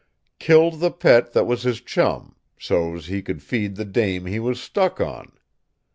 Killed the pet that was his chum, so's he could feed the dame he was stuck on.